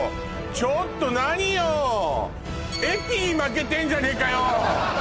ちょっと何よエピに負けてんじゃねえかよ